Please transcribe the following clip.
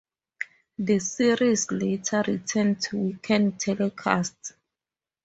The series later returned to weekend telecasts.